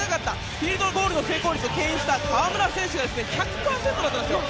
フィールドゴールの成功率をけん引した河村選手が１００％だったんですよ。